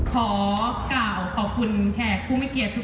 ได้ทำหน้าที่เจ้าสาวดีที่สุดแล้ว